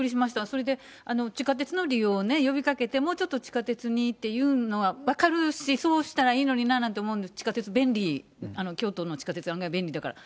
それで、地下鉄の利用を呼びかけて、もうちょっと地下鉄にっていうのは分かるし、そうしたらいいのにななんて思うんです、地下鉄便利、京都の地下鉄、案外便利だから。